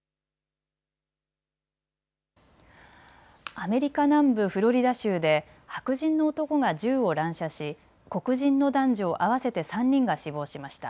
アメリカ南部フロリダ州で白人の男が銃を乱射し黒人の男女合わせて３人が死亡しました。